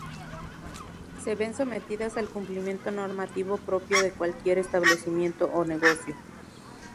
Se ven sometidas al cumplimiento normativo propio de cualquier establecimiento o negocio.